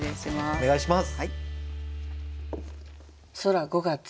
お願いします。